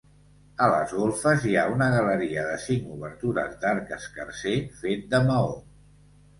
A les golfes hi ha una galeria de cinc obertures d'arc escarser fet de maó.